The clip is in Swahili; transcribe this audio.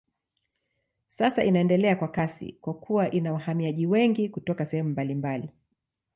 Sasa inaendelea kwa kasi kwa kuwa ina wahamiaji wengi kutoka sehemu mbalimbali.